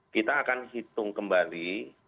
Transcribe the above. kita akan hitung kembali